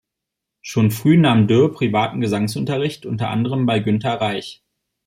Schon früh nahm Dürr privaten Gesangsunterricht unter anderem bei Günther Reich.